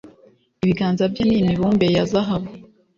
ibiganza bye ni imibumbe ya zahabu